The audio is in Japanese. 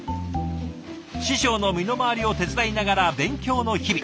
師匠の身の回りを手伝いながら勉強の日々。